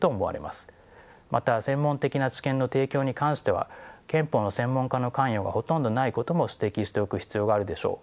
また専門的な知見の提供に関しては憲法の専門家の関与がほとんどないことも指摘しておく必要があるでしょう。